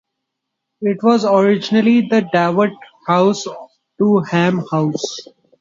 It was originally the dower house to Ham House.